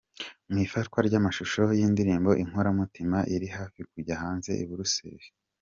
Mu ifatwa ry’amashusho y’indirimbo Inkoramutima iri hafi kujya hanze I Buruseri.